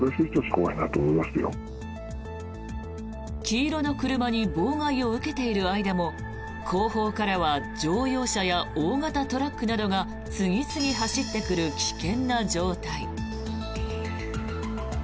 黄色の車に妨害を受けている間も後方からは乗用車や大型トラックなどが次々走ってくる危険な状態。